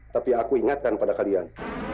tapi aku ingatkan pada kalian